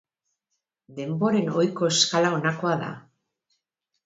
Denboren ohiko eskala honakoa da.